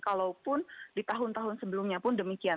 kalaupun di tahun tahun sebelumnya pun demikian